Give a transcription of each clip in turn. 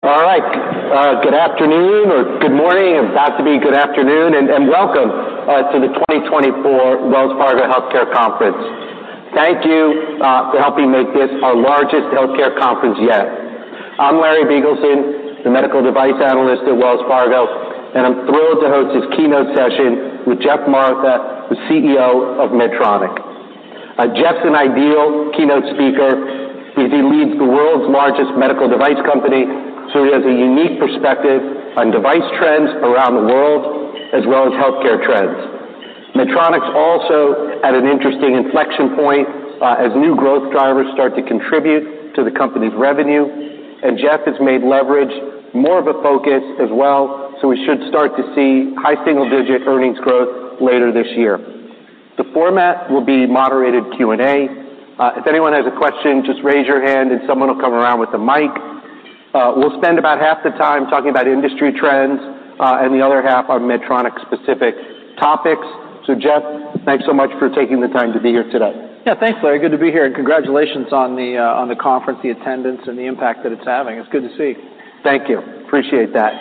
All right. Good afternoon or good morning, about to be good afternoon, and welcome to the 2024 Wells Fargo Healthcare Conference. Thank you for helping make this our largest healthcare conference yet. I'm Larry Biegelsen, the medical device analyst at Wells Fargo, and I'm thrilled to host this keynote session with Geoff Martha, the CEO of Medtronic. Geoff's an ideal keynote speaker because he leads the world's largest medical device company, so he has a unique perspective on device trends around the world, as well as healthcare trends. Medtronic's also at an interesting inflection point, as new growth drivers start to contribute to the company's revenue, and Geoff has made leverage more of a focus as well, so we should start to see high single-digit earnings growth later this year. The format will be moderated Q&A. If anyone has a question, just raise your hand and someone will come around with a mic. We'll spend about half the time talking about industry trends, and the other half on Medtronic-specific topics. So Geoff, thanks so much for taking the time to be here today. Yeah, thanks, Larry. Good to be here, and congratulations on the conference, the attendance, and the impact that it's having. It's good to see. Thank you. Appreciate that.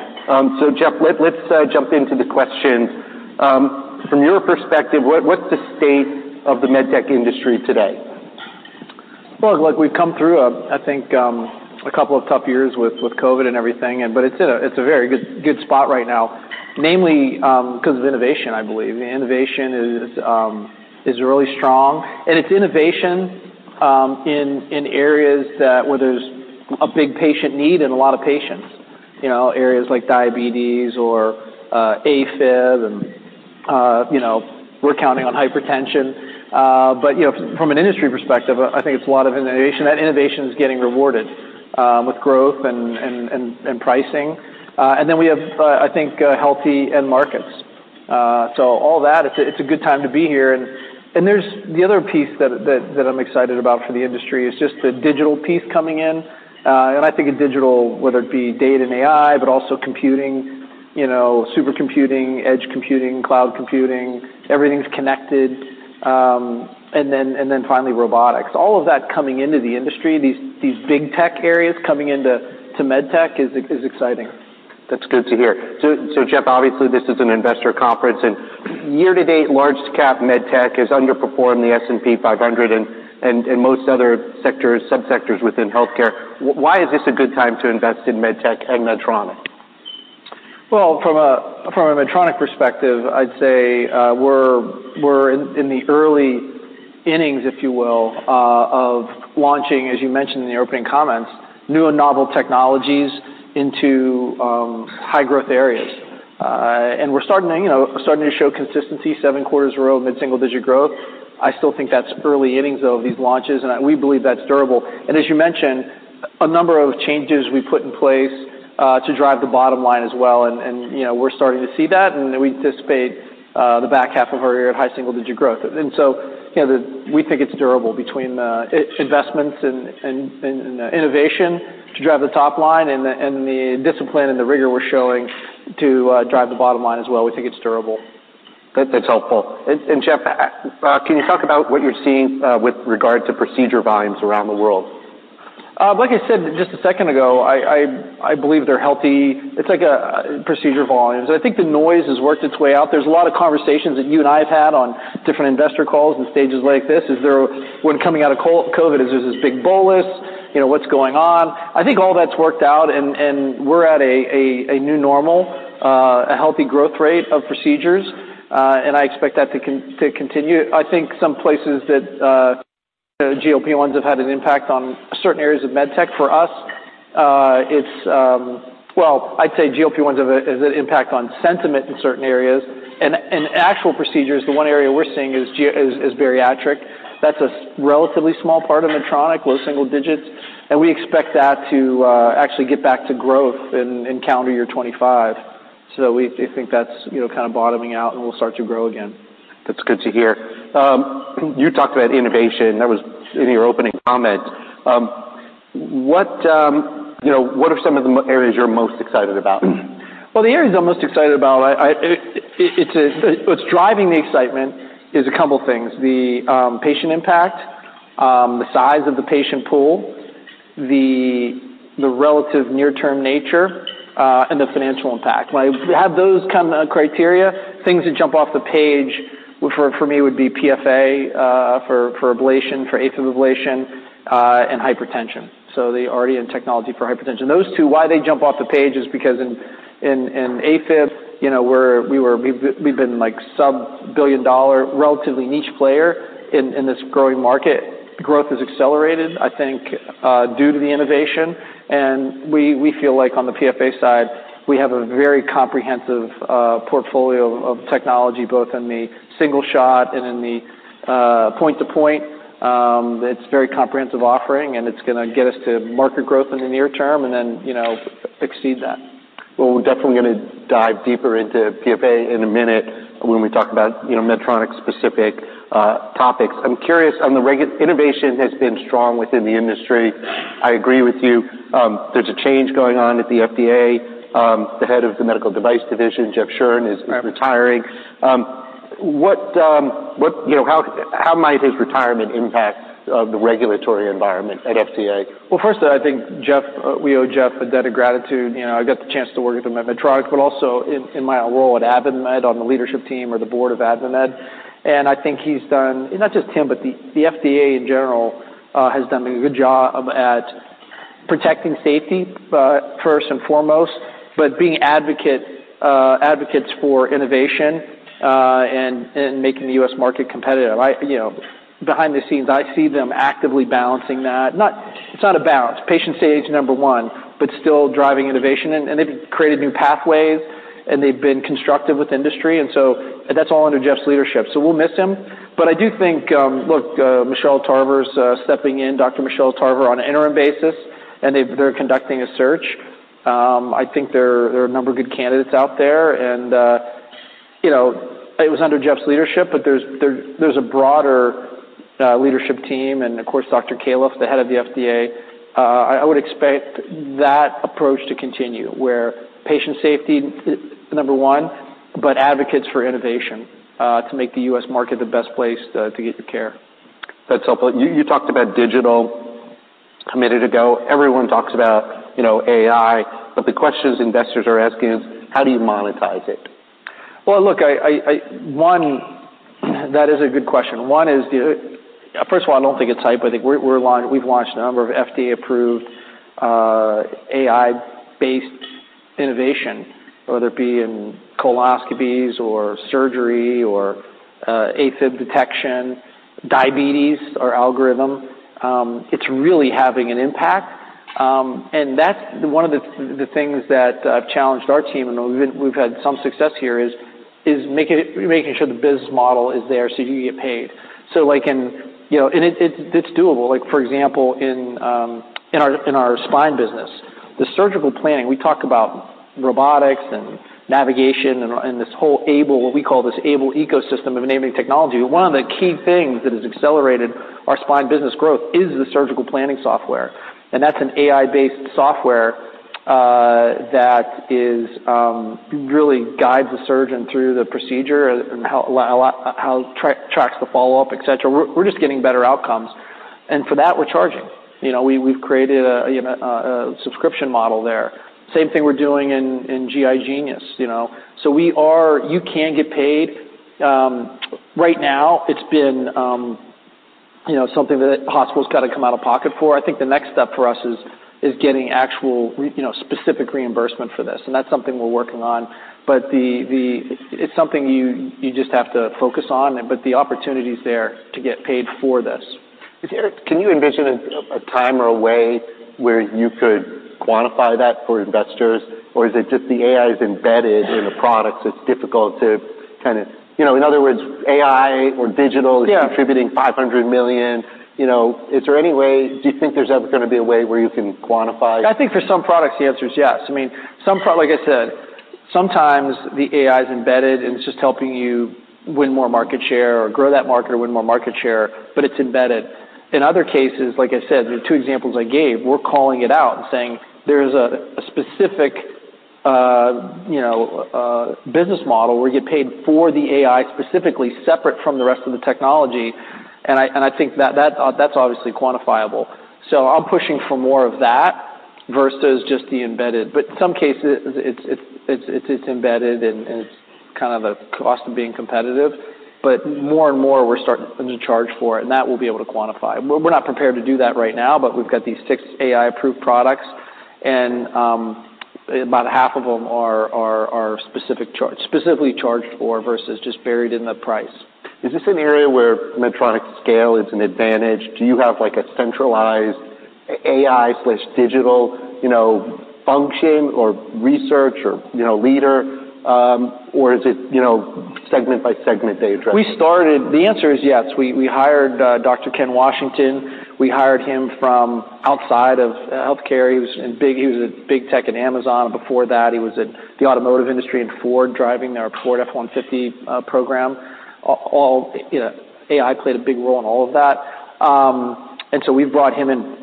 So Geoff, let's jump into the questions. From your perspective, what's the state of the med tech industry today? Look, we've come through, I think, a couple of tough years with COVID and everything, but it's in a very good spot right now, namely because of innovation, I believe. Innovation is really strong, and it's innovation in areas that where there's a big patient need and a lot of patients, you know, areas like diabetes or AFib, and you know, we're counting on hypertension. But you know, from an industry perspective, I think it's a lot of innovation. That innovation is getting rewarded with growth and pricing. And then we have, I think, healthy end markets. So all that, it's a good time to be here. There's the other piece that I'm excited about for the industry is just the digital piece coming in. And I think of digital, whether it be data and AI, but also computing, you know, supercomputing, edge computing, cloud computing, everything's connected, and then finally, robotics. All of that coming into the industry, these big tech areas coming into to med tech is exciting. That's good to hear. So, Geoff, obviously, this is an investor conference, and year-to-date, large cap med tech has underperformed the S&P 500 and most other sectors, subsectors within healthcare. Why is this a good time to invest in med tech and Medtronic? From a Medtronic perspective, I'd say we're in the early innings, if you will, of launching, as you mentioned in the opening comments, new and novel technologies into high-growth areas. And we're starting to, you know, show consistency, seven quarters in a row, mid-single digit growth. I still think that's early innings, though, of these launches, and we believe that's durable. As you mentioned, a number of changes we put in place to drive the bottom line as well, and you know, we're starting to see that, and we anticipate the back half of our year at high single-digit growth. You know, we think it's durable between investments and innovation to drive the top line and the discipline and the rigor we're showing to drive the bottom line as well. We think it's durable. That's helpful. And Geoff, can you talk about what you're seeing with regard to procedure volumes around the world? Like I said just a second ago, I believe they're healthy. It's like procedure volumes. I think the noise has worked its way out. There's a lot of conversations that you and I have had on different investor calls and stages like this. Is there - when coming out of COVID, is this as big bullish? You know, what's going on? I think all that's worked out, and we're at a new normal, a healthy growth rate of procedures, and I expect that to continue. I think some places that the GLP-1s have had an impact on certain areas of med tech. For us, it's well, I'd say GLP-1s have an impact on sentiment in certain areas, and actual procedures, the one area we're seeing is bariatric. That's a relatively small part of Medtronic, low single digits, and we expect that to actually get back to growth in calendar year 2025. So we think that's, you know, kind of bottoming out, and we'll start to grow again. That's good to hear. You talked about innovation. That was in your opening comment. You know, what are some of the areas you're most excited about? The areas I'm most excited about, it's what's driving the excitement is a couple things: the patient impact, the size of the patient pool, the relative near-term nature, and the financial impact. When I have those kind of criteria, things that jump off the page for me would be PFA for ablation, for AFib ablation, and hypertension, so the RD and technology for hypertension. Those two, why they jump off the page is because in AFib, you know, we've been, like, sub-billion dollar, relatively niche player in this growing market. Growth has accelerated, I think, due to the innovation, and we feel like on the PFA side, we have a very comprehensive portfolio of technology, both in the single shot and in the point to point. It's very comprehensive offering, and it's gonna get us to market growth in the near term, and then, you know, exceed that. Well, we're definitely gonna dive deeper into PFA in a minute when we talk about, you know, Medtronic-specific topics. I'm curious, innovation has been strong within the industry. I agree with you. There's a change going on at the FDA. The head of the Medical Device Division, Geoff Shuren, is retiring. What, you know, how might his retirement impact the regulatory environment at FDA? Well, first, I think Jeff, we owe Jeff a debt of gratitude. You know, I got the chance to work with him at Medtronic, but also in my role at AdvaMed, on the leadership team or the board of AdvaMed. And I think he's done. And not just him, but the FDA in general has done a good job at protecting safety, but first and foremost, but being advocate, advocates for innovation, and making the U.S. market competitive. You know, behind the scenes, I see them actively balancing that. It's not a balance. Patient safety is number one, but still driving innovation, and they've created new pathways, and they've been constructive with industry, and so that's all under Jeff's leadership. So we'll miss him. But I do think. Look, Michelle Tarver's stepping in, Dr. Michelle Tarver, on an interim basis, and they've, they're conducting a search. I think there are a number of good candidates out there, and, you know, it was under Jeff's leadership, but there's a broader leadership team, and of course, Dr. Califf, the head of the FDA. I would expect that approach to continue, where patient safety is number one, but advocates for innovation, to make the U.S. market the best place to get your care. That's helpful. You talked about digital commitment to growth. Everyone talks about, you know, AI, but the question investors are asking is: How do you monetize it? That is a good question. First of all, I don't think it's hype, but I think we've launched a number of FDA-approved AI-based innovation, whether it be in colonoscopies or surgery or AFib detection, diabetes or algorithm. It's really having an impact, and that's one of the things that I've challenged our team, and we've had some success here, is making sure the business model is there so you can get paid. Like in, you know, and it, it's doable. Like, for example, in our spine business, the surgical planning, we talk about robotics and navigation and this whole AiBLE, what we call this AiBLE ecosystem of enabling technology. One of the key things that has accelerated our spine business growth is the surgical planning software, and that's an AI-based software that really guides the surgeon through the procedure and how tracks the follow-up, et cetera. We're just getting better outcomes, and for that, we're charging. You know, we've created a subscription model there. Same thing we're doing in GI Genius, you know. So we are. You can get paid. Right now, it's been, you know, something that hospitals got to come out of pocket for. I think the next step for us is getting actual, you know, specific reimbursement for this, and that's something we're working on. It's something you just have to focus on, but the opportunity's there to get paid for this. Is it? Can you envision a time or a way where you could quantify that for investors, or is it just the AI is embedded in the products? It's difficult to kind of... You know, in other words, AI or digital- Yeah. is contributing $500 million. You know, is there any way, do you think there's ever gonna be a way where you can quantify? I think for some products, the answer is yes. I mean, like I said, sometimes the AI is embedded, and it's just helping you win more market share or grow that market or win more market share, but it's embedded. In other cases, like I said, the two examples I gave, we're calling it out and saying there's a specific, you know, a business model where you get paid for the AI, specifically separate from the rest of the technology, and I think that that's obviously quantifiable. So I'm pushing for more of that versus just the embedded. But in some cases, it's embedded and kind of the cost of being competitive. But more and more, we're starting to charge for it, and that we'll be able to quantify. We're not prepared to do that right now, but we've got these six AI-approved products, and about half of them are specifically charged for versus just buried in the price. Is this an area where Medtronic's scale is an advantage? Do you have, like, a centralized AI/digital, you know, function or research or, you know, leader, or is it, you know, segment by segment that you address? The answer is yes. We hired Dr. Ken Washington. We hired him from outside of healthcare. He was a big tech in Amazon, and before that, he was in the automotive industry in Ford, driving their Ford F-150 program. You know, AI played a big role in all of that. And so we've brought him in.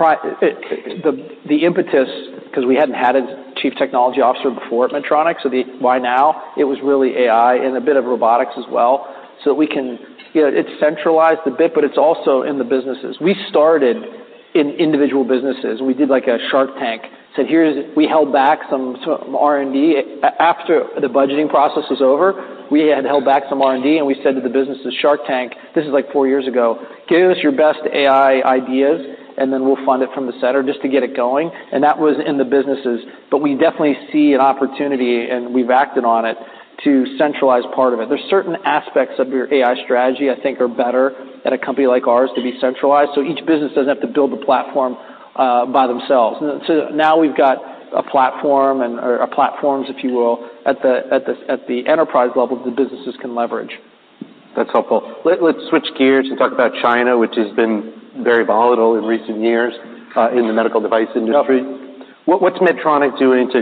The impetus, because we hadn't had a chief technology officer before at Medtronic, so why now? It was really AI and a bit of robotics as well, so we can. You know, it's centralized a bit, but it's also in the businesses. We started in individual businesses. We did like a shark tank, said, "Here's..." We held back some R&D. After the budgeting process was over, we had held back some R&D, and we said to the business, the shark tank, this is like four years ago: "Give us your best AI ideas, and then we'll fund it from the center just to get it going." And that was in the businesses. But we definitely see an opportunity, and we've acted on it, to centralize part of it. There's certain aspects of your AI strategy, I think, are better at a company like ours to be centralized, so each business doesn't have to build the platform by themselves. So now we've got a platform and, or, or platforms, if you will, at the enterprise level the businesses can leverage. That's helpful. Let's switch gears and talk about China, which has been very volatile in recent years in the medical device industry. Yeah. What, what's Medtronic doing to,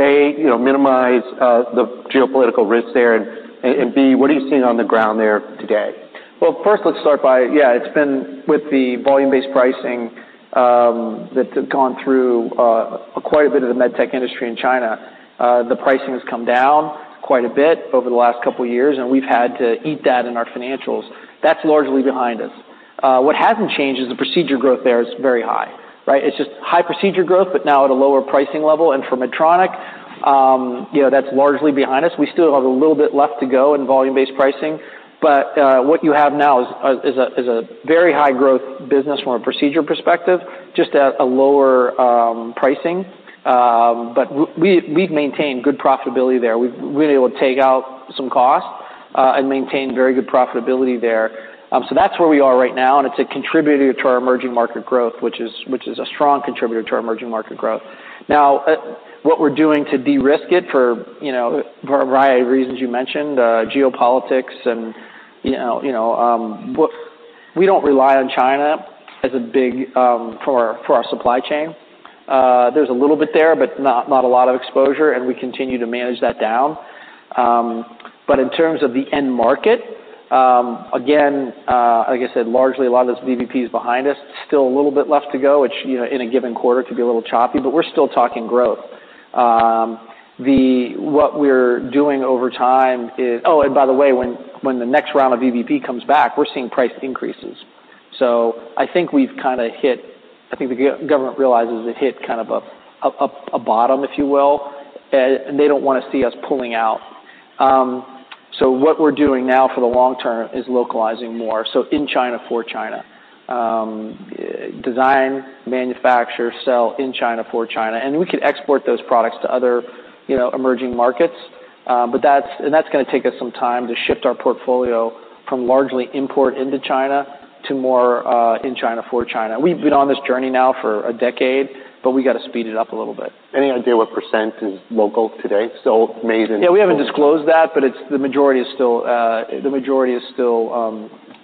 A, you know, minimize the geopolitical risks there? And, and, B, what are you seeing on the ground there today? First, let's start by, yeah, it's been with the volume-based pricing, that's gone through quite a bit of the med tech industry in China. The pricing has come down quite a bit over the last couple of years, and we've had to eat that in our financials. That's largely behind us. What hasn't changed is the procedure growth there is very high, right? It's just high procedure growth, but now at a lower pricing level. And for Medtronic, you know, that's largely behind us. We still have a little bit left to go in volume-based pricing, but what you have now is a very high growth business from a procedure perspective, just at a lower pricing. But we've maintained good profitability there. We've really able to take out some costs, and maintain very good profitability there. So that's where we are right now, and it's a contributor to our emerging market growth, which is a strong contributor to our emerging market growth. Now, what we're doing to de-risk it for, you know, for a variety of reasons, you mentioned, geopolitics and, you know, what. We don't rely on China as a big, for our supply chain. There's a little bit there, but not a lot of exposure, and we continue to manage that down. But in terms of the end market, again, like I said, largely, a lot of this VBP is behind us. Still a little bit left to go, which, you know, in a given quarter, could be a little choppy, but we're still talking growth. What we're doing over time is... Oh, and by the way, when the next round of VBP comes back, we're seeing price increases. So I think we've kinda hit. I think the government realizes it hit kind of a bottom, if you will, and they don't wanna see us pulling out. So what we're doing now for the long term is localizing more, so in China, for China. Design, manufacture, sell in China for China, and we could export those products to other, you know, emerging markets, but that's gonna take us some time to shift our portfolio from largely imported into China to more in China, for China. We've been on this journey now for a decade, but we got to speed it up a little bit. Any idea what percent is local today, still made in- Yeah, we haven't disclosed that, but it's the majority is still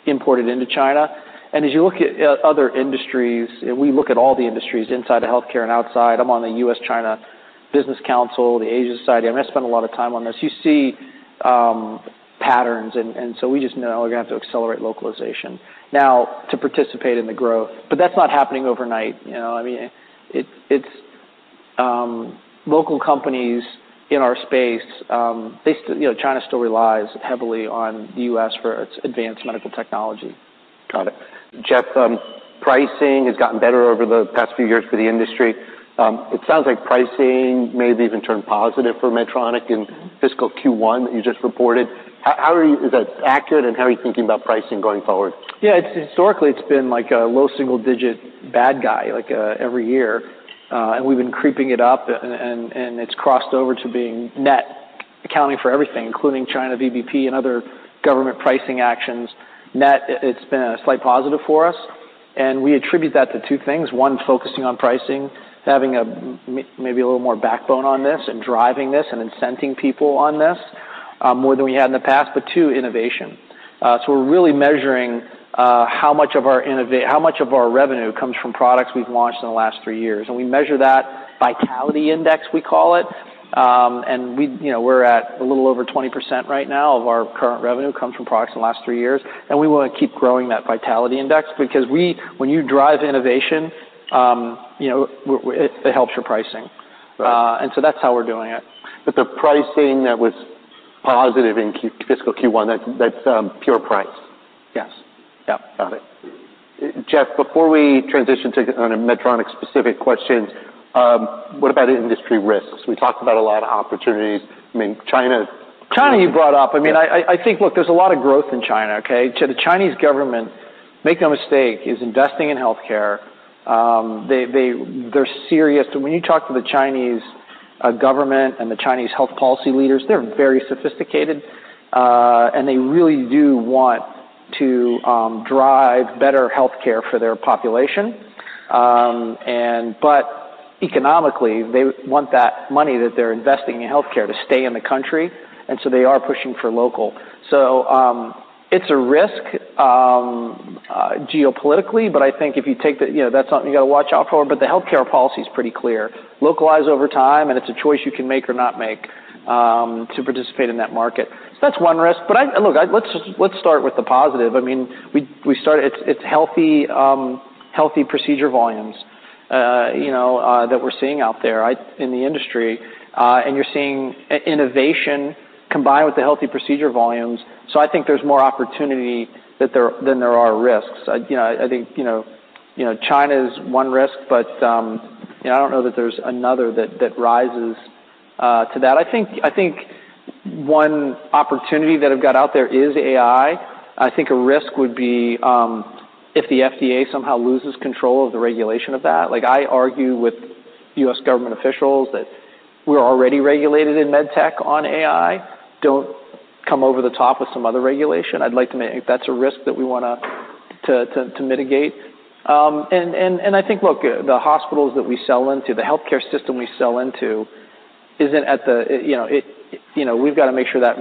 imported into China. And as you look at other industries, and we look at all the industries inside the healthcare and outside, I'm on the US-China Business Council, the Asia Society. I'm gonna spend a lot of time on this. You see patterns, and so we just know we're gonna have to accelerate localization. Now, to participate in the growth, but that's not happening overnight. You know, I mean, it's local companies in our space, they you know, China still relies heavily on the US for its advanced medical technology. Got it. Geoff, pricing has gotten better over the past few years for the industry. It sounds like pricing maybe even turned positive for Medtronic in fiscal Q1 that you just reported. Is that accurate, and how are you thinking about pricing going forward? Yeah, it's historically, it's been like a low single digit bad guy, like, every year, and we've been creeping it up, and it's crossed over to being net, accounting for everything, including China, VBP, and other government pricing actions. Net, it's been a slight positive for us, and we attribute that to two things: one, focusing on pricing, having maybe a little more backbone on this and driving this and incenting people on this, more than we had in the past, but two, innovation. So we're really measuring how much of our revenue comes from products we've launched in the last three years, and we measure that Vitality Index, we call it. And we, you know, we're at a little over 20% right now of our current revenue comes from products in the last three years, and we wanna keep growing that Vitality Index because we, when you drive innovation, you know, it, it helps your pricing. Right. And so that's how we're doing it. But the pricing that was positive in fiscal Q1, that's pure price? Yes. Yeah, got it. Geoff, before we transition to a Medtronic-specific question, what about industry risks? We talked about a lot of opportunities. I mean, China- China, you brought up. Yeah. I mean, I think, look, there's a lot of growth in China, okay? So the Chinese government, make no mistake, is investing in healthcare. They, they're serious. So when you talk to the Chinese government and the Chinese health policy leaders, they're very sophisticated, and they really do want to drive better healthcare for their population. And but economically, they want that money that they're investing in healthcare to stay in the country, and so they are pushing for local. So, it's a risk, geopolitically, but I think if you take the you know, that's something you got to watch out for, but the healthcare policy is pretty clear. Localize over time, and it's a choice you can make or not make, to participate in that market. So that's one risk. But look, let's just start with the positive. I mean, we started, it's healthy procedure volumes, you know, that we're seeing out there in the industry, and you're seeing innovation combined with the healthy procedure volumes. So I think there's more opportunity there than there are risks. You know, I think China is one risk, but you know, I don't know that there's another that rises to that. I think one opportunity that I've got out there is AI. I think a risk would be if the FDA somehow loses control of the regulation of that. Like, I argue with U.S. government officials that we're already regulated in med tech on AI. Don't come over the top with some other regulation. That's a risk that we wanna to mitigate. And I think, look, the hospitals that we sell into, the healthcare system we sell into isn't at the, you know, it, you know, we've got to make sure that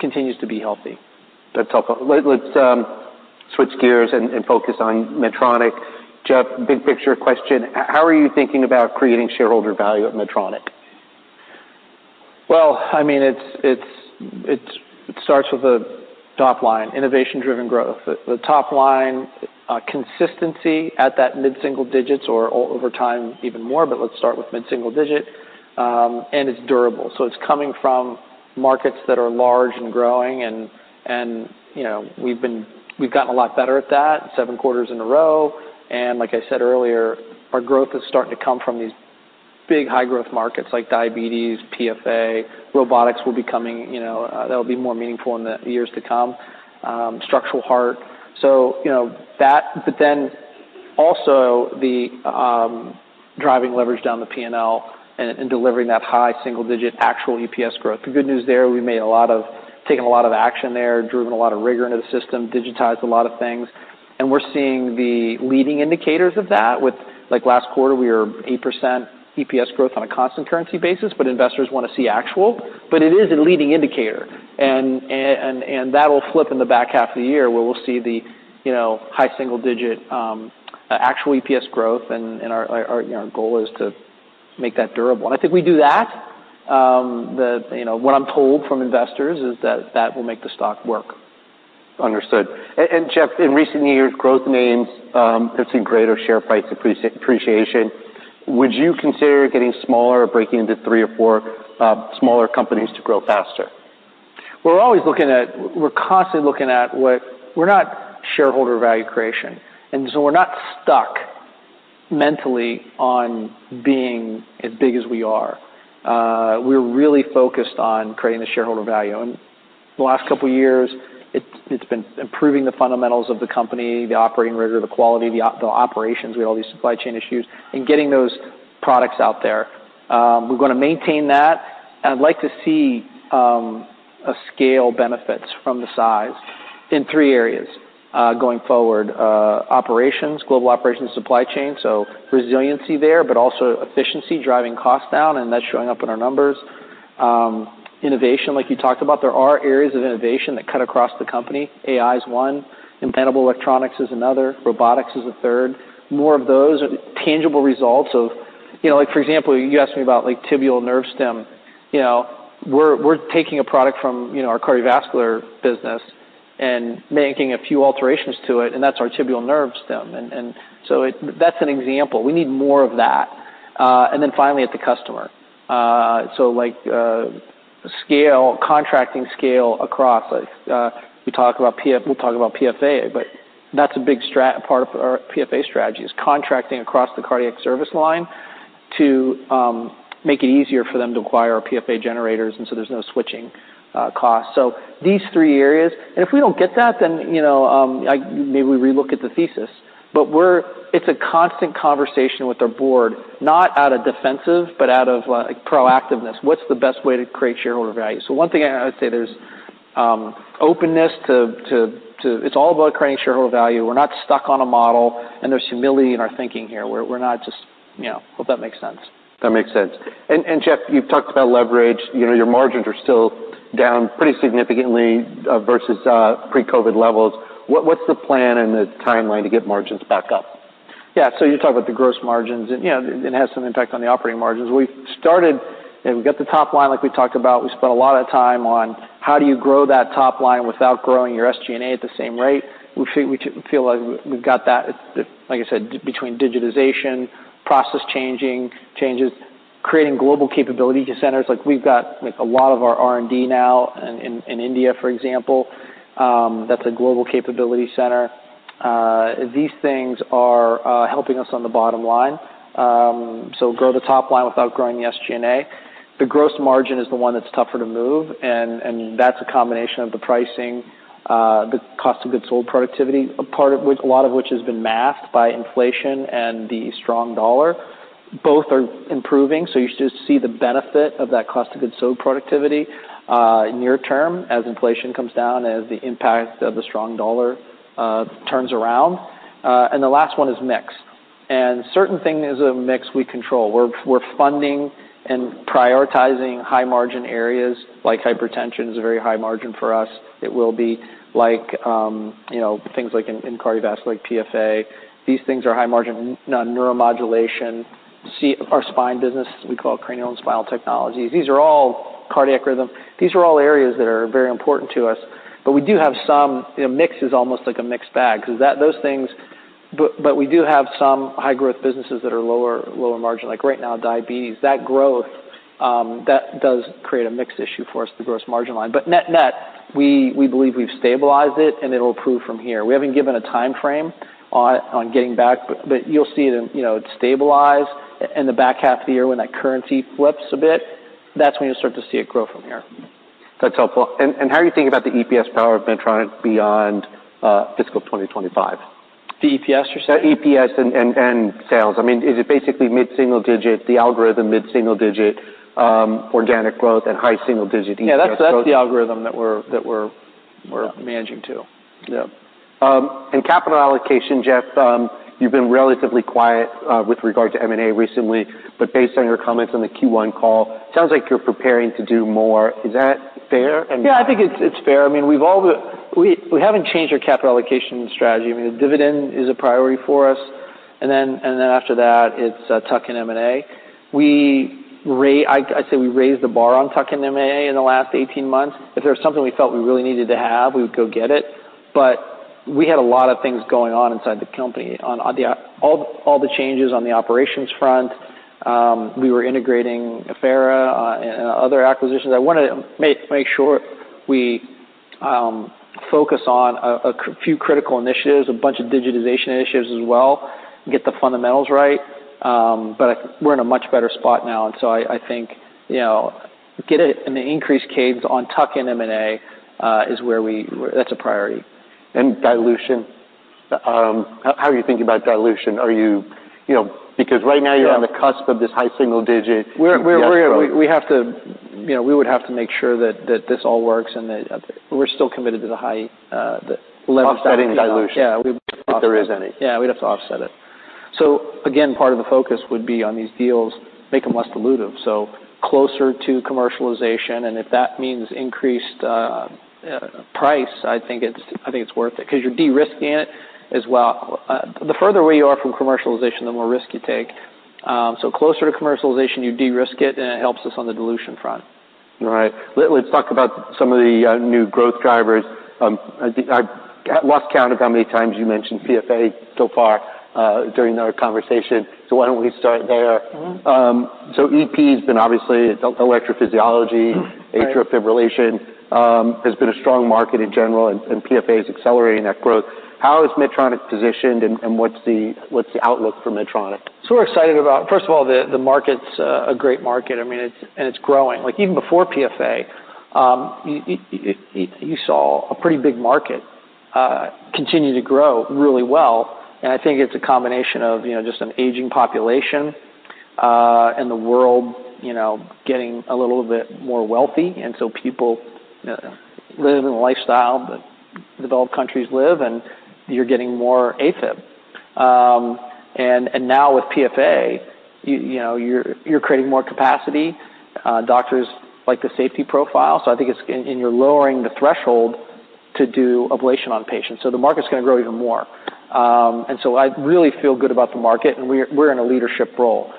continues to be healthy. That's helpful. Let's switch gears and focus on Medtronic. Geoff, big picture question: How are you thinking about creating shareholder value at Medtronic? Well, I mean, it starts with the top line, innovation-driven growth. The top line consistency at that mid-single digits or over time, even more, but let's start with mid-single digit, and it's durable. So it's coming from markets that are large and growing, and you know, we've gotten a lot better at that, seven quarters in a row. Like I said earlier, our growth is starting to come from these big, high-growth markets like diabetes, PFA, robotics will be coming, you know, that'll be more meaningful in the years to come, structural heart. So, you know, that, but then also the driving leverage down the P&L and delivering that high single digit actual EPS growth. The good news there, we've taken a lot of action there, driven a lot of rigor into the system, digitized a lot of things, and we're seeing the leading indicators of that. With, like, last quarter, we were 8% EPS growth on a constant currency basis, but investors want to see actual. But it is a leading indicator, and that will flip in the back half of the year, where we'll see the, you know, high single digit actual EPS growth, and our, you know, our goal is to make that durable. And I think we do that, you know, what I'm told from investors is that that will make the stock work. Understood. And Geoff, in recent years, growth names have seen greater share price appreciation. Would you consider getting smaller or breaking into three or four smaller companies to grow faster? We're constantly looking at what we're not shareholder value creation, and so we're not stuck mentally on being as big as we are. We're really focused on creating the shareholder value. The last couple of years, it's been improving the fundamentals of the company, the operating rigor, the quality of the operations, we have all these supply chain issues, and getting those products out there. We're gonna maintain that, and I'd like to see a scale benefits from the size in three areas going forward. Operations, global operations, supply chain, so resiliency there, but also efficiency, driving costs down, and that's showing up in our numbers. Innovation, like you talked about, there are areas of innovation that cut across the company. AI is one, implantable electronics is another, robotics is a third. More of those tangible results of... You know, like, for example, you asked me about, like, tibial nerve stim. You know, we're taking a product from, you know, our cardiovascular business and making a few alterations to it, and that's our tibial nerve stim. And so it-- that's an example. We need more of that. And then finally, at the customer. So, like, scale, contracting scale across, we talk about PFA, but that's a big part of our PFA strategy, is contracting across the cardiac service line to make it easier for them to acquire our PFA generators, and so there's no switching costs. So these three areas, and if we don't get that, then, you know, I-- maybe we relook at the thesis. But we're. It's a constant conversation with our board, not out of defensive, but out of, like, proactiveness. What's the best way to create shareholder value? So one thing I would say, there's openness to... It's all about creating shareholder value. We're not stuck on a model, and there's humility in our thinking here. We're not just, you know. Hope that makes sense. That makes sense. And Geoff, you've talked about leverage. You know, your margins are still down pretty significantly, versus pre-COVID levels. What's the plan and the timeline to get margins back up? Yeah, so you talk about the gross margins, and, you know, it has some impact on the operating margins. We've started, and we've got the top line, like we talked about. We spent a lot of time on how do you grow that top line without growing your SG&A at the same rate? We feel like we've got that, like I said, between digitization, process changing, changes, creating global capability centers. Like, we've got a lot of our R&D now in India, for example, that's a global capability center. These things are helping us on the bottom line, so grow the top line without growing the SG&A. The gross margin is the one that's tougher to move, and that's a combination of the pricing, the cost of goods sold, productivity, a part of which - a lot of which has been masked by inflation and the strong dollar. Both are improving, so you should see the benefit of that cost of goods sold productivity, near term as inflation comes down, as the impact of the strong dollar turns around. The last one is mix. Certain things of mix we control. We're funding and prioritizing high-margin areas, like hypertension is a very high margin for us. It will be like, you know, things like in cardiovascular, like PFA. These things are high margin, neuromodulation, our spine business, we call it Cranial and Spinal Technologies. These are all cardiac rhythm. These are all areas that are very important to us. But we do have some, you know, mix is almost like a mixed bag, because those things. But, but we do have some high-growth businesses that are lower, lower margin, like right now, diabetes. That growth, that does create a mix issue for us, the gross margin line. But net, net, we, we believe we've stabilized it, and it'll improve from here. We haven't given a time frame on, on getting back, but, but you'll see it, you know, it's stabilized in the back half of the year when that currency flips a bit. That's when you'll start to see it grow from here. That's helpful. And how are you thinking about the EPS power of Medtronic beyond fiscal 2025? The EPS, you said? EPS and sales. I mean, is it basically mid-single digit, the algorithm mid-single digit, organic growth and high single digit EPS? Yeah, that's the algorithm that we're managing to. Yeah. And capital allocation, Geoff, you've been relatively quiet with regard to M&A recently, but based on your comments on the Q1 call, sounds like you're preparing to do more. Is that fair? And- Yeah, I think it's fair. I mean, we haven't changed our capital allocation strategy. I mean, the dividend is a priority for us, and then after that, it's tuck-in M&A. I'd say we raised the bar on tuck-in M&A in the last 18 months. If there was something we felt we really needed to have, we would go get it, but we had a lot of things going on inside the company. On all the changes on the operations front, we were integrating Affera, and other acquisitions. I wanna make sure we focus on a few critical initiatives, a bunch of digitization initiatives as well, and get the fundamentals right. But we're in a much better spot now, and so I think, you know, get it, and the increased cadence on tuck-in M&A is where that's a priority. Dilution? How are you thinking about dilution? Are you... You know, because right now you're on the cusp of this high single digit EPS growth. We're, we have to-- you know, we would have to make sure that this all works, and that we're still committed to the high, the leverage- Offsetting dilution. Yeah, we- If there is any. Yeah, we'd have to offset it. So again, part of the focus would be on these deals, make them less dilutive, so closer to commercialization, and if that means increased price, I think it's worth it because you're de-risking it as well. The further away you are from commercialization, the more risk you take. So closer to commercialization, you de-risk it, and it helps us on the dilution front. All right. Let's talk about some of the new growth drivers. I think I've lost count of how many times you mentioned PFA so far during our conversation, so why don't we start there? EP has been obviously electrophysiology. Right... atrial fibrillation has been a strong market in general, and PFA is accelerating that growth. How is Medtronic positioned, and what's the outlook for Medtronic? So we're excited about it. First of all, the market's a great market. I mean, it's and it's growing. Like, even before PFA, you saw a pretty big market continue to grow really well, and I think it's a combination of, you know, just an aging population and the world, you know, getting a little bit more wealthy, and so people living the lifestyle that developed countries live, and you're getting more AFib. And now with PFA, you know, you're creating more capacity. Doctors like the safety profile, so I think it's and you're lowering the threshold to do ablation on patients, so the market's gonna grow even more. And so I really feel good about the market, and we're in a leadership role.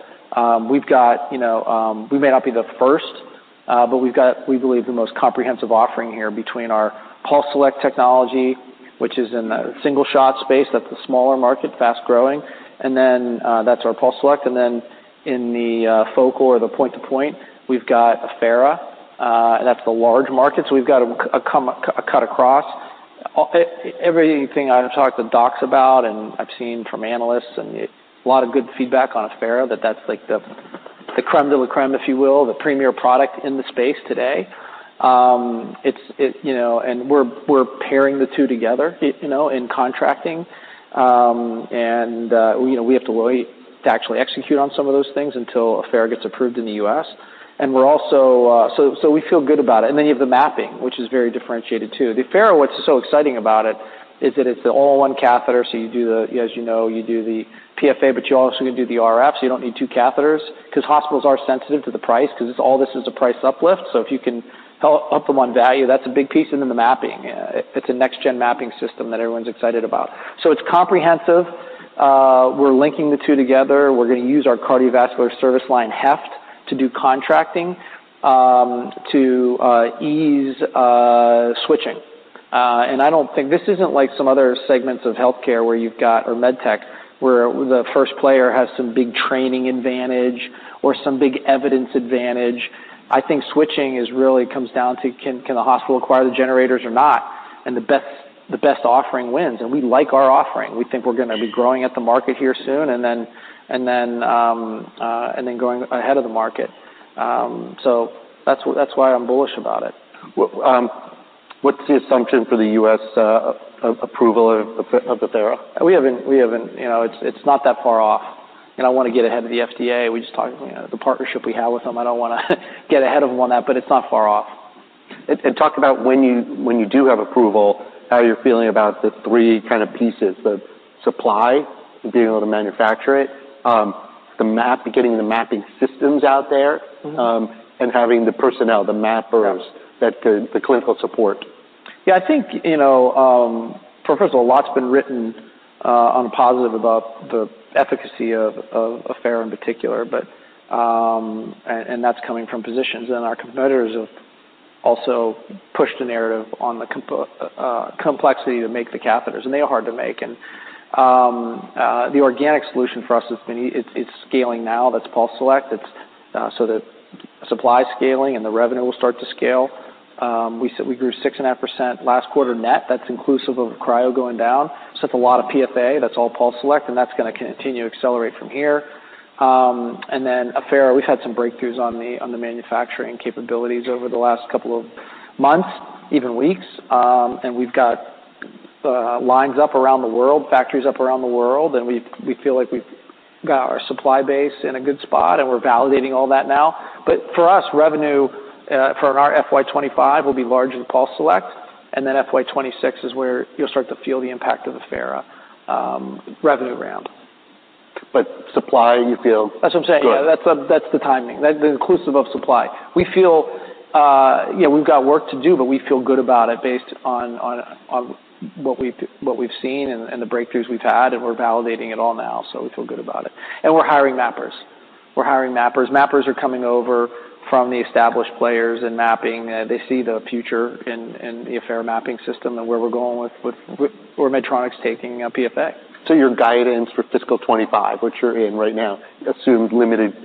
We've got, you know, we may not be the first, but we've got, we believe, the most comprehensive offering here between our PulseSelect technology, which is in the single shot space. That's a smaller market, fast growing. And then, that's our PulseSelect, and then in the focal or the point to point, we've got Affera, and that's the large market. So we've got a cut across. Everything I've talked to docs about and I've seen from analysts, and a lot of good feedback on Affera, that that's like the, the crème de la crème, if you will, the premier product in the space today. It's, it, you know... And we're pairing the two together, you know, in contracting. And you know, we have to wait to actually execute on some of those things until Affera gets approved in the U.S. And we're also. So, so we feel good about it. And then you have the mapping, which is very differentiated, too. The Affera, what's so exciting about it, is that it's an all-in-one catheter, so you do the, as you know, you do the PFA, but you're also gonna do the RF, so you don't need two catheters. Because hospitals are sensitive to the price, because all this is a price uplift. So if you can sell them on value, that's a big piece, and then the mapping. It's a next-gen mapping system that everyone's excited about. So it's comprehensive. We're linking the two together. We're gonna use our cardiovascular service line, heft, to do contracting, to ease switching. And I don't think this isn't like some other segments of healthcare where you've got... or medtech, where the first player has some big training advantage or some big evidence advantage. I think switching really comes down to, can the hospital acquire the generators or not? And the best offering wins, and we like our offering. We think we're gonna be growing at the market here soon, and then growing ahead of the market. So that's why I'm bullish about it. What's the assumption for the U.S. approval of the Affera? We haven't. You know, it's not that far off, and I don't want to get ahead of the FDA. We just talked, you know, the partnership we have with them. I don't wanna get ahead of them on that, but it's not far off. Talk about when you do have approval, how you're feeling about the three kind of pieces, the supply, being able to manufacture it, the mapping, getting the mapping systems out there- and having the personnel, the mappers- Yeah... the clinical support. Yeah, I think, you know, first of all, a lot's been written on the positive about the efficacy of Affera in particular, but. And that's coming from physicians, and our competitors have also pushed the narrative on the complexity to make the catheters, and they are hard to make. And the organic solution for us has been it's scaling now. That's PulseSelect. It's so the supply is scaling, and the revenue will start to scale. We grew 6.5% last quarter net. That's inclusive of Cryo going down. So that's a lot of PFA, that's all PulseSelect, and that's gonna continue to accelerate from here. And then Affera, we've had some breakthroughs on the manufacturing capabilities over the last couple of months, even weeks. And we've got lines up around the world, factories up around the world, and we feel like we've got our supply base in a good spot, and we're validating all that now. But for us, revenue for our FY 2025 will be largely PulseSelect, and then FY 2026 is where you'll start to feel the impact of Affera revenue ramp. But supply, you feel- That's what I'm saying. Good. Yeah, that's the, that's the timing. That's inclusive of supply. We feel yeah, we've got work to do, but we feel good about it based on what we've seen and the breakthroughs we've had, and we're validating it all now. So we feel good about it. And we're hiring mappers. Mappers are coming over from the established players and mapping. They see the future in the Affera mapping system and where we're going with where Medtronic's taking PFA. Your guidance for fiscal 2025, which you're in right now, assumed limited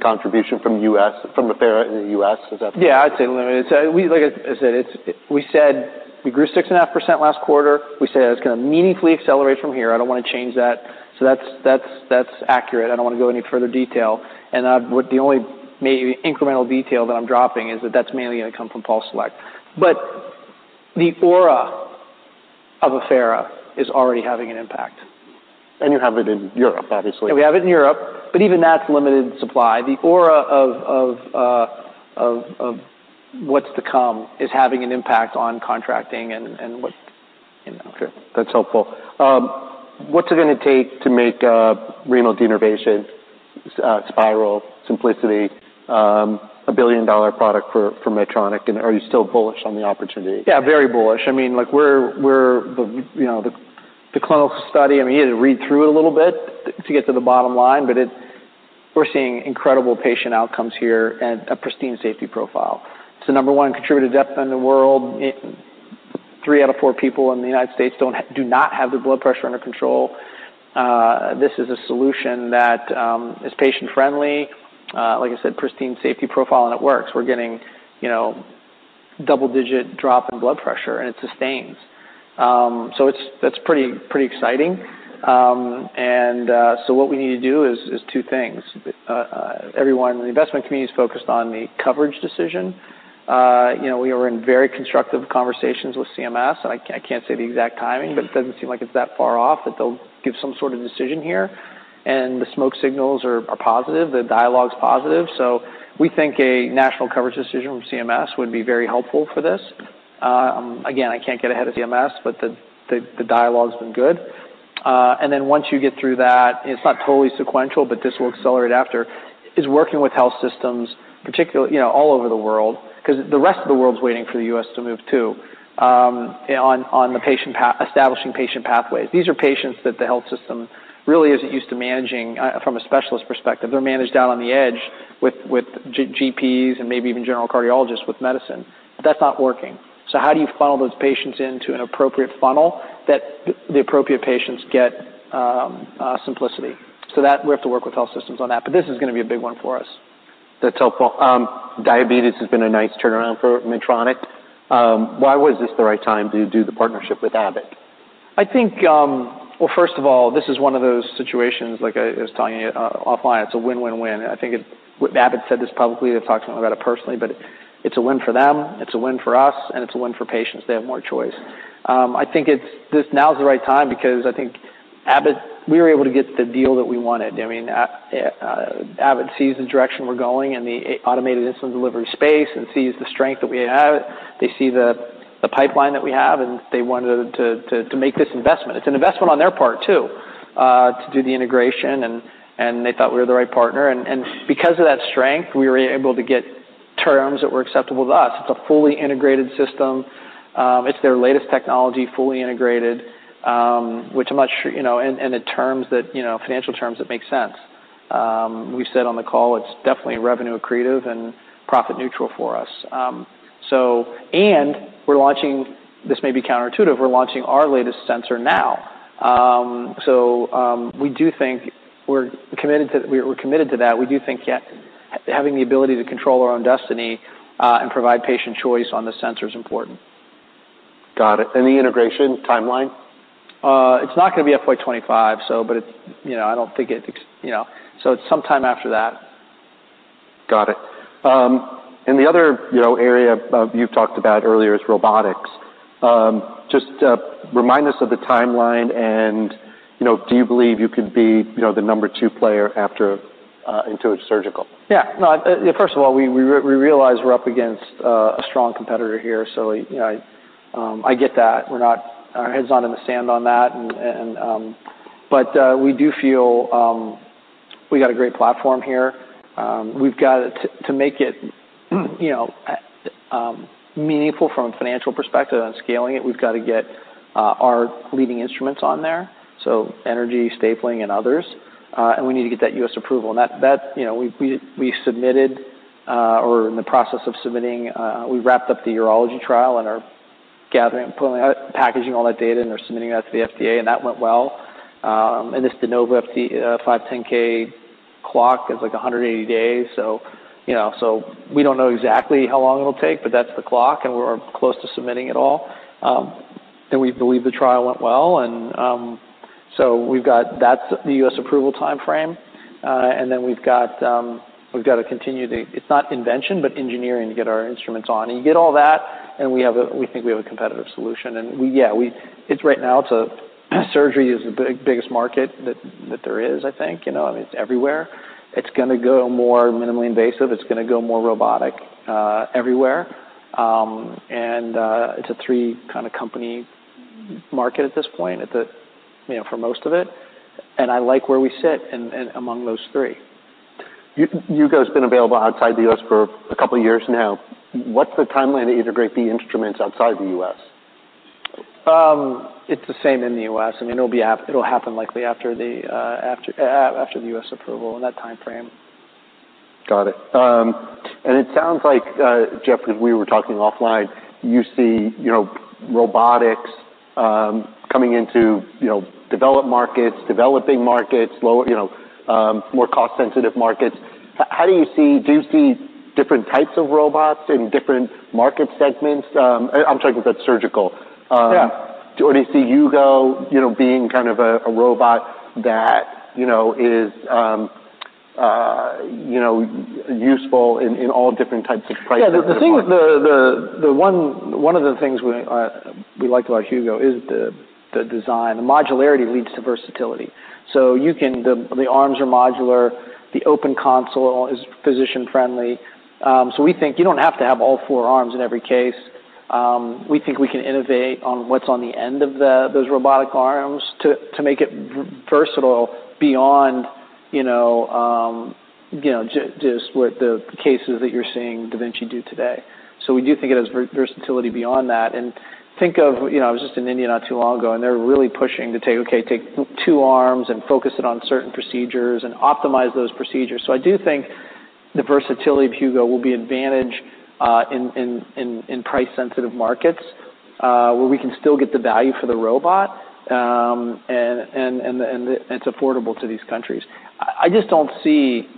contribution from the U.S., from Affera in the U.S. Is that correct? Yeah, I'd say limited. So, like I said, we said we grew 6.5% last quarter. We said it was gonna meaningfully accelerate from here. I don't wanna change that. So that's accurate. I don't wanna go any further detail. And what the only maybe incremental detail that I'm dropping is that that's mainly gonna come from PulseSelect. But the aura of Affera is already having an impact. You have it in Europe, obviously. Yeah, we have it in Europe, but even that's limited supply. The aura of what's to come is having an impact on contracting and what, you know- Sure, that's helpful. What's it gonna take to make renal denervation Symplicity Spyral a billion-dollar product from Medtronic? And are you still bullish on the opportunity? Yeah, very bullish. I mean, like, we're the, you know, the clinical study, I mean, you had to read through it a little bit to get to the bottom line, but we're seeing incredible patient outcomes here and a pristine safety profile. It's the number one contributor to death in the world. Three out of four people in the United States don't have - do not have their blood pressure under control. This is a solution that is patient-friendly, like I said, pristine safety profile, and it works. We're getting, you know, double-digit drop in blood pressure, and it sustains. So it's that's pretty exciting. And so what we need to do is two things. Everyone in the investment community is focused on the coverage decision. You know, we are in very constructive conversations with CMS, and I can't say the exact timing, but it doesn't seem like it's that far off, that they'll give some sort of decision here. And the smoke signals are positive, the dialogue's positive. So we think a national coverage decision from CMS would be very helpful for this. Again, I can't get ahead of CMS, but the dialogue's been good. And then once you get through that, it's not totally sequential, but this will accelerate after working with health systems, particularly, you know, all over the world, 'cause the rest of the world's waiting for the U.S. to move, too, on establishing patient pathways. These are patients that the health system really isn't used to managing from a specialist perspective. They're managed out on the edge with GPs and maybe even general cardiologists with medicine. But that's not working. So how do you funnel those patients into an appropriate funnel that the appropriate patients get Symplicity? So that, we have to work with health systems on that. But this is gonna be a big one for us. That's helpful. Diabetes has been a nice turnaround for Medtronic. Why was this the right time to do the partnership with Abbott? I think, well, first of all, this is one of those situations, like I was telling you offline, it's a win, win, win. I think Abbott said this publicly, they've talked to me about it personally, but it's a win for them, it's a win for us, and it's a win for patients. They have more choice. I think this now is the right time because I think Abbott, we were able to get the deal that we wanted. I mean, Abbott sees the direction we're going in the automated insulin delivery space and sees the strength that we have. They see the pipeline that we have, and they wanted to make this investment. It's an investment on their part, too, to do the integration, and they thought we were the right partner. Because of that strength, we were able to get terms that were acceptable to us. It's a fully integrated system. It's their latest technology, fully integrated, which I'm not sure, you know, and the terms that, you know, financial terms that make sense. We said on the call, it's definitely revenue accretive and profit neutral for us. So, we're launching, this may be counterintuitive, we're launching our latest sensor now. So, we do think we're committed to that. We do think, yeah, having the ability to control our own destiny and provide patient choice on the sensor is important. Got it. Any integration timeline? It's not gonna be FY 2025, so, but it's, you know, I don't think it, you know... So it's sometime after that. Got it. And the other, you know, area you talked about earlier is robotics. Just remind us of the timeline and, you know, do you believe you could be, you know, the number two player after Intuitive Surgical? Yeah. No, first of all, we realize we're up against a strong competitor here, so you know, I get that. We're not. Our heads aren't in the sand on that. But we do feel we got a great platform here. We've got to make it you know, meaningful from a financial perspective on scaling it. We've got to get our leading instruments on there, so energy, stapling, and others. And we need to get that U.S. approval. And that you know, we submitted or in the process of submitting. We wrapped up the urology trial and are gathering, pulling out, packaging all that data and are submitting that to the FDA, and that went well. And this De Novo 510(k) clock is like 180 days. So, you know, so we don't know exactly how long it'll take, but that's the clock, and we're close to submitting it all. And we believe the trial went well, and, so we've got, that's the U.S. approval timeframe. And then we've got, we've got to continue the. It's not invention, but engineering to get our instruments on. You get all that, and we have a, we think we have a competitive solution. And we, yeah, we, it's right now, it's a, surgery is the biggest market that there is, I think. You know, I mean, it's everywhere. It's gonna go more minimally invasive. It's gonna go more robotic, everywhere. And, it's a three kind of company. Market at this point, you know, for most of it, and I like where we sit in among those three. Hugo's been available outside the U.S. for a couple years now. What's the timeline to integrate the instruments outside the U.S.? It's the same in the U.S. I mean, it'll happen likely after the U.S. approval, in that timeframe. Got it, and it sounds like, Geoff, as we were talking offline, you see, you know, robotics coming into, you know, developed markets, developing markets, lower, you know, more cost-sensitive markets. How do you see different types of robots in different market segments? I'm talking about surgical. Yeah. Or do you see Hugo, you know, being kind of a robot that, you know, is, you know, useful in all different types of procedures? Yeah, the thing, one of the things we liked about Hugo is the design. The modularity leads to versatility. So you can. The arms are modular, the open console is physician-friendly. So we think you don't have to have all four arms in every case. We think we can innovate on what's on the end of those robotic arms to make it versatile beyond, you know, you know, just what the cases that you're seeing da Vinci do today. So we do think it has versatility beyond that. Think of, you know, I was just in India not too long ago, and they're really pushing to take, okay, take two arms and focus it on certain procedures and optimize those procedures. So I do think the versatility of Hugo will be advantage in price-sensitive markets where we can still get the value for the robot and it's affordable to these countries. I just don't see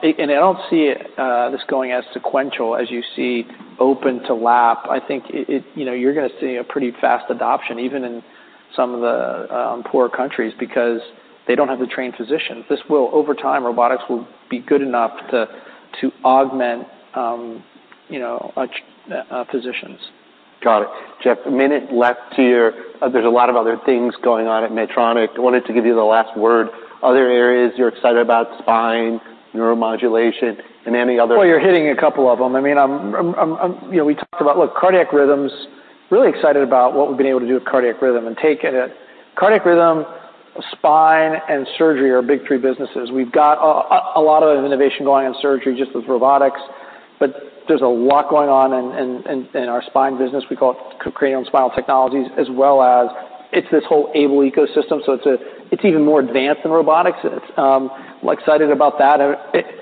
this going as sequential as you see open to lap. I think it you know you're gonna see a pretty fast adoption even in some of the poor countries because they don't have the trained physicians. This will over time robotics will be good enough to augment you know physicians. Got it. Geoff, a minute left here. There's a lot of other things going on at Medtronic. I wanted to give you the last word. Other areas you're excited about, spine, neuromodulation, and any other- You're hitting a couple of them. I mean, you know, we talked about, look, cardiac rhythms, really excited about what we've been able to do with cardiac rhythm and take it. Cardiac rhythm, spine, and surgery are our big three businesses. We've got a lot of innovation going on in surgery just with robotics, but there's a lot going on in our spine business. We call it Cranial and Spinal Technologies, as well as it's this whole AiBLE ecosystem, so it's even more advanced than robotics. We're excited about that.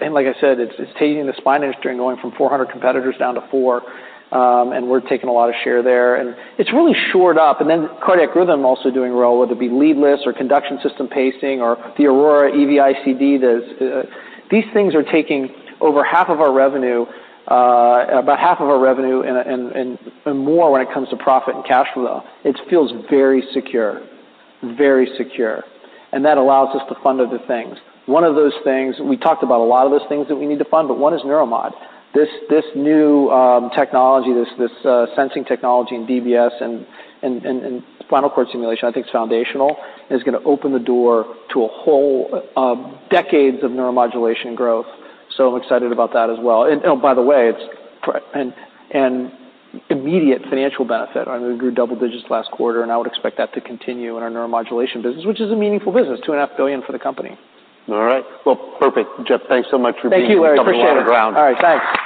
And like I said, it's taking the spine industry and going from four hundred competitors down to four, and we're taking a lot of share there. And it's really shored up. And then cardiac rhythm, also doing well, whether it be leadless or conduction system pacing or the Aurora EV-ICD. These things are taking over half of our revenue, about half of our revenue and more when it comes to profit and cash flow. It feels very secure, very secure, and that allows us to fund other things. One of those things, we talked about a lot of those things that we need to fund, but one is neuromod. This new technology, this sensing technology in DBS and spinal cord stimulation, I think is foundational, and it's gonna open the door to a whole decades of neuromodulation growth. So I'm excited about that as well. And, oh, by the way, it's immediate financial benefit. I mean, we grew double digits last quarter, and I would expect that to continue in our neuromodulation business, which is a meaningful business, $2.5 billion for the company. All right. Perfect. Geoff, thanks so much for being here. Thank you, Larry. Appreciate it. Covering a lot of ground. All right, thanks.